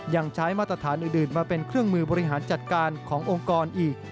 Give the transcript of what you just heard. ยังใช้มาตรฐานอื่นมาเป็นเครื่องมือบริหารจัดการขององค์กรอีก